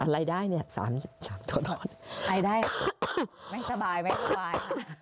รายได้เนี้ยสามสามโทษโทษใครได้ไม่สบายไม่สบายค่ะ